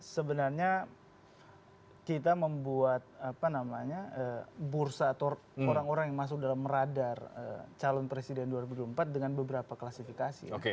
sebenarnya kita membuat bursa atau orang orang yang masuk dalam radar calon presiden dua ribu dua puluh empat dengan beberapa klasifikasi